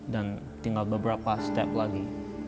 dan tinggal beberapa langkah lagi